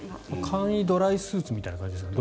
簡易ドライスーツみたいな感じですね。